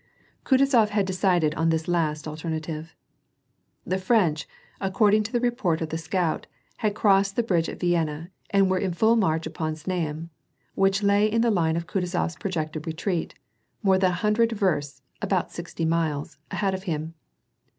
Kutuzof had decided on this last alternative. The French, according to the report of the scout, had crossed the bridge at Vienna, and were in full march upon Znaim which lay in the line of Kutuzof's projected retreat, more than a hundred versts — about sixty miles — ahead of him.